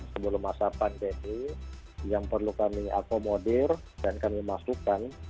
sebelum masa pandemi yang perlu kami akomodir dan kami masukkan